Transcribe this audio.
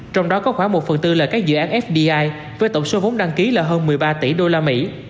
trong đó có khoảng một phần tư là các dự án fdi với tổng số vốn đăng ký là hơn một mươi ba tỷ usd